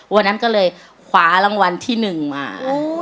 วันนั้นก็เลยขวารางวัลที่หนึ่งมา